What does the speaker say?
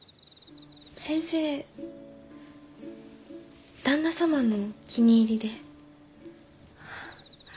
先生旦那様の気に入りで。